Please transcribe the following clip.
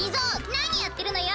なにやってるのよ。